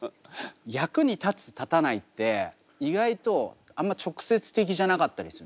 役に立つ立たないって意外とあんま直接的じゃなかったりするんですよ。